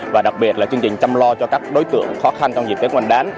và đặc biệt là chương trình chăm lo cho các đối tượng khó khăn trong dịp tết nguyên đán